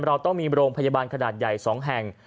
เราต้องมีโรงพยาบาลขนาดใหญ่๒แห่ง